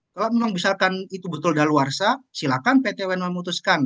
kalau memang misalkan itu betul daluarsa silakan pt un memutuskan